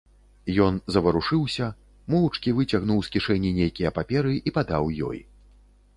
Ён заварушыўся, моўчкі выцягнуў з кішэні нейкія паперы і падаў ёй.